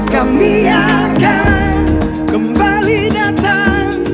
kami akan kembali datang